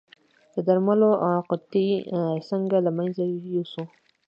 د درملو قطۍ څنګه له منځه یوسم؟